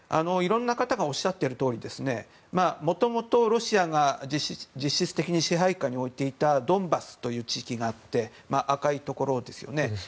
いろんな方がおっしゃっているとおりもともとロシアが実質的に支配下に置いていたドンバスという地域があって赤いところですよね。